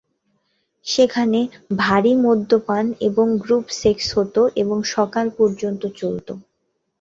সেখানে "ভারী মদ্যপান" এবং গ্রুপ সেক্স হত এবং সকাল পর্যন্ত চলত।